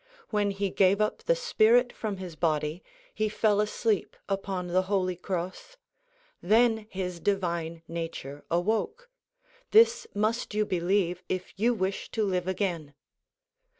When he gave up the spirit from his body, he fell asleep upon the holy cross. Then his divine nature awoke. This must you believe if you wish to live again.